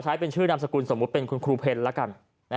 ใช้เป็นชื่อนามสกุลสมมุติเป็นคุณครูเพลแล้วกัน